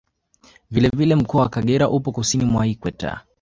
Vile vile mkoa wa Kagera upo Kusini mwa Ikweta